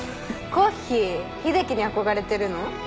コッヒー秀樹に憧れてるの？